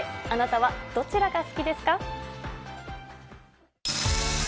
あなたはどちらが好きですか。